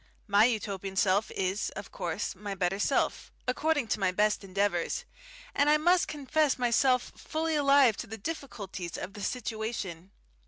My Utopian self is, of course, my better self according to my best endeavours and I must confess myself fully alive to the difficulties of the situation.